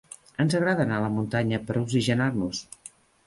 Ens agrada anar a la muntanya per oxigenar-nos.